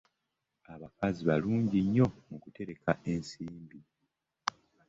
Abakazi balungi nnyo mu kutereka ensimbi.